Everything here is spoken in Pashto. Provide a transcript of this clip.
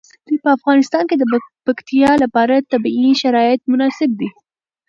په افغانستان کې د پکتیا لپاره طبیعي شرایط مناسب دي.